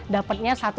dapatnya satu lima sendi